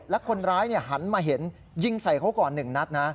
และคนร้ายหันมาเห็นยิงใส่เขาก่อน๑นัดนะ